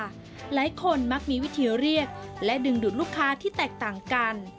หลายคนมักมีวิธีเรียกและดึงดูดลูกค้าที่แตกต่างกัน